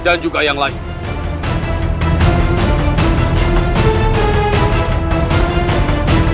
dan juga yang lain